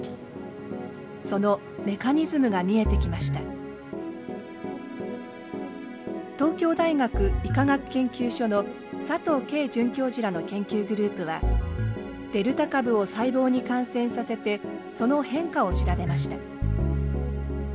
その東京大学医科学研究所の佐藤佳准教授らの研究グループはデルタ株を細胞に感染させてその変化を調べました。